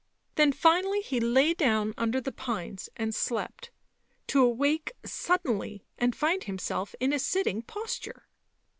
Then finally he lay down under the pines and slept, to awake suddenly and find himself in a sitting posture.